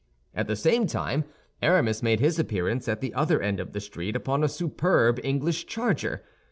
At the same time, Aramis made his appearance at the other end of the street upon a superb English charger.